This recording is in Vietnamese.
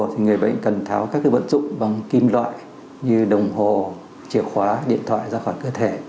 thì người bệnh cần tháo các vật dụng bằng kim loại như đồng hồ chìa khóa điện thoại ra khỏi cơ thể